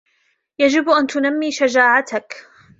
يجب أن تُنَمِّيَ شجاعتك.